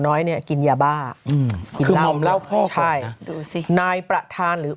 น้อยเนี่ยกินยาบ้าอืมคือมอมเหล้าพ่อใช่ดูสินายประธานหรือ